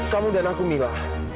kamu dan aku mila